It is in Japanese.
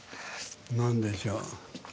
何でしょう。